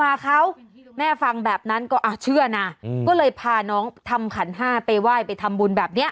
แม่ฟังแบบนั้นก็เชื่อนะก็เลยพาน้องทำขันห้าไปไหว้ไปทำบุญแบบเนี้ย